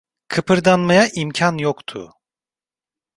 Kıpırdanmaya imkan yoktu.